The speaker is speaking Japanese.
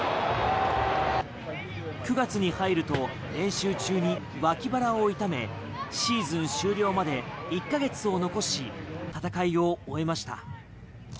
９月に入ると練習中に脇腹を痛めシーズン終了まで１か月を残し戦い終えました。